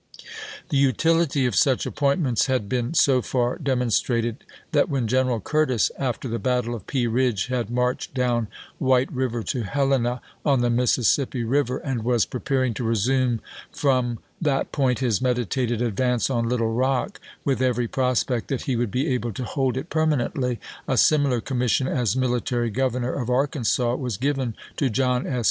The utility of such appointments had been so far demonstrated that when General Curtis, after the Marcii,i862. battle of Pea Eidge, had marched down White River to Helena on the Mississippi River, and was preparing to resume from that point his meditated advance on Little Rock, with every prospect that he would be able to hold it permanently, a similar commission as military governor of Arkansas was given to John S.